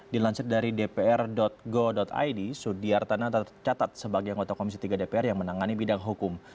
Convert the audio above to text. dilansir dari dpr go id sudiartana tercatat sebagai anggota komisi tiga dpr yang menangani bidang hukum